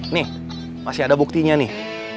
nih masih ada buktinya nih